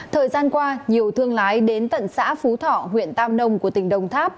thời gian qua nhiều thương lái đến tận xã phú thọ huyện tam nông của tỉnh đồng tháp